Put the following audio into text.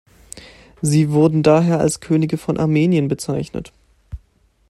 Sie wurden daher als Könige von Armenien bezeichnet.